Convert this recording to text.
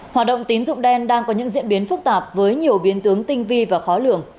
hoạt động tín dụng đen đang có những diễn biến phức tạp với nhiều biến tướng tinh vi và khó lường